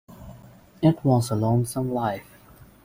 It was a lonesome life.